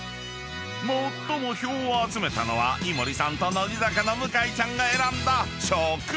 ［最も票を集めたのは井森さんと乃木坂の向井ちゃんが選んだ食パン］